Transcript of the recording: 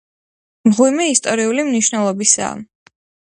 მღვიმე ისტორიული მნიშვნელობისაა.